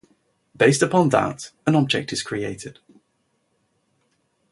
Based upon that an object is created.